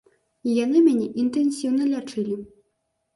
І яны мяне інтэнсіўна лячылі.